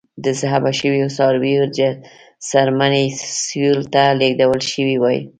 د ذبح شویو څارویو څرمنې سویل ته لېږدول شوې وای.